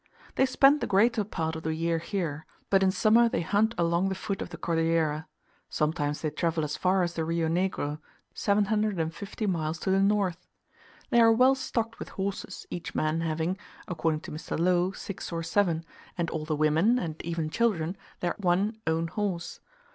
They spend the greater part of the year here; but in summer they hunt along the foot of the Cordillera: sometimes they travel as far as the Rio Negro 750 miles to the north. They are well stocked with horses, each man having, according to Mr. Low, six or seven, and all the women, and even children, their one own horse.